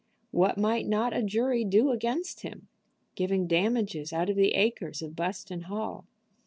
What might not a jury do against him, giving damages out of the acres of Buston Hall?